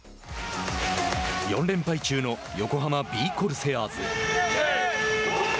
４連敗中の横浜ビー・コルセアーズ。